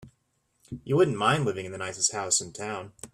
You wouldn't mind living in the nicest house in town.